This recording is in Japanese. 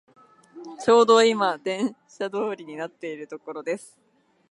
ちょうどいま電車通りになっているところです